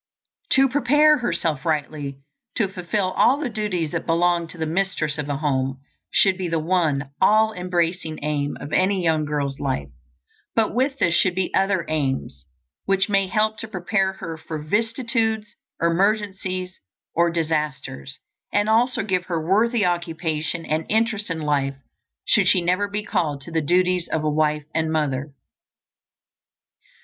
To prepare herself rightly to fulfill all the duties that belong to the mistress of a home, should be the one all embracing aim of any young girl's life; but with this should be other aims, which may help to prepare her for vicissitudes, emergencies, or disasters, and also give her worthy occupation and interest in life should she never be called to the duties of a wife and mother.